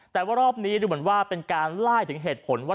แต่ว่ารอบนี้ดูเหมือนว่าเป็นการไล่ถึงเหตุผลว่า